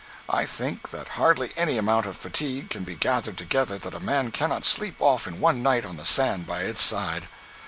I think that hardly any amount of fatigue can be gathered together that a man cannot sleep off in one night on the sand by its side.